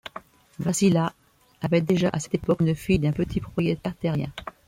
Wassila avait déjà, à cette époque, une fille d'un petit propriétaire terrien.